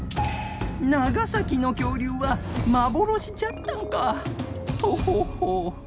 長崎の恐竜は幻じゃったんかとほほ。